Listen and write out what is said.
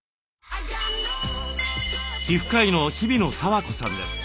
皮膚科医の日比野佐和子さんです。